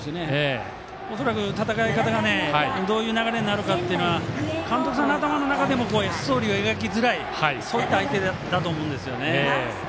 恐らく戦い方がどういう流れになるかというのは監督さんの頭の中でもストーリーが描きづらい相手だと思うんですね。